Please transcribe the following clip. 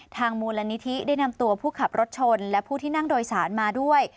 มูลนิธิได้นำตัวผู้ขับรถชนและผู้ที่นั่งโดยสารมาด้วย